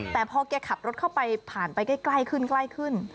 แต่พอแกขับรถเข้าไปผ่านไปใกล้ขึ้น